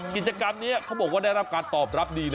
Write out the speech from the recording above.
กิจกรรมนี้เขาบอกว่าได้รับการตอบรับดีนะ